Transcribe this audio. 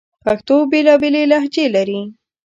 پښتو بیلابیلي لهجې لري